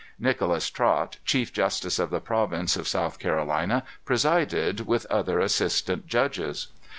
Nicholas Trot, chief justice of the province of South Carolina, presided, with other assistant judges.